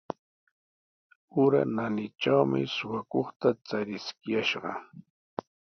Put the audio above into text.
Ura naanitrawmi suqakuqta chariskiyashqa.